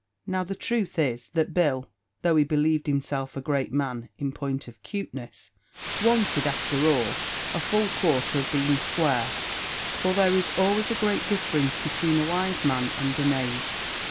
Now, the truth is, that Bill, though he believed himself a great man in point of 'cuteness, wanted, after all, a full quarter of being square; for there is always a great difference between a wise man and a knave.